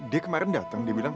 dia kemarin datang dia bilang